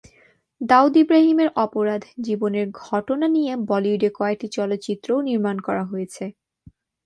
দাউদ ইব্রাহিমের অপরাধ জীবনের ঘটনা নিয়ে বলিউডে কয়েকটি চলচ্চিত্রও নির্মাণ করা হয়েছে।